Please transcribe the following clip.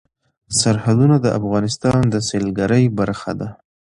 سرحدونه د افغانستان د سیلګرۍ برخه ده.